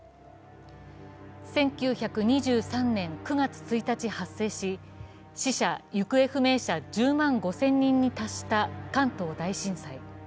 １９２３年９月１日発生し、死者・行方不明者１０万５０００人に達した関東大震災。